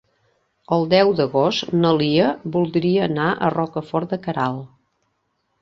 El deu d'agost na Lia voldria anar a Rocafort de Queralt.